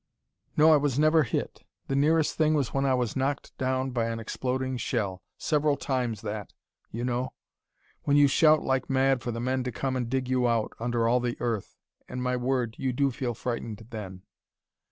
"No I was never hit. The nearest thing was when I was knocked down by an exploding shell several times that you know. When you shout like mad for the men to come and dig you out, under all the earth. And my word, you do feel frightened then."